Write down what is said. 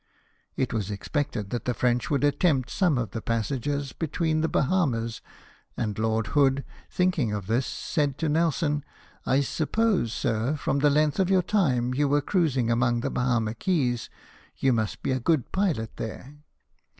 It was expected that the French would attempt some of the passages between the Bahamas : and Lord Hood, thinking of this, said to Nelson, " I suppose, sir, from the length of time you were cruising among the Bahama Keys, you must be a good pilot there."